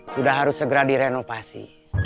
sudah harus segera direnovasi